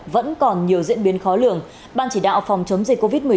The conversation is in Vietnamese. vẫn còn nhiều diễn biến khó lường ban chỉ đạo phòng chống dịch covid một mươi chín